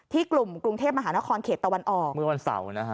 กลุ่มกรุงเทพมหานครเขตตะวันออกเมื่อวันเสาร์นะฮะ